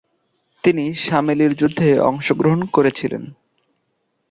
তিনি শামেলির যুদ্ধে অংশগ্রহণ করেছিলেন।